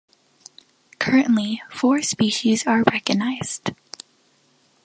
Currently, four species are recognized.